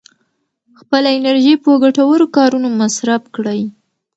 خپله انرژي په ګټورو کارونو مصرف کړئ.